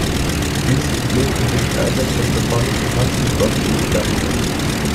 Dieses Problem kann durch den Einsatz von Performance Enhancement Proxy umgangen werden.